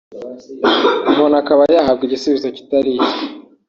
umuntu akaba yahabwa igisubizo kitari icye